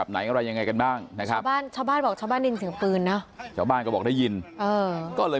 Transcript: พี่พี่พี่พี่พี่พี่พี่พี่พี่พี่พี่พี่พี่พี่